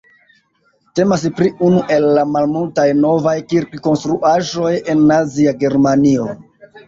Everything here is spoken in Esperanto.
Temas pri unu el la malmultaj novaj kirkkonstruaĵoj en Nazia Germanio.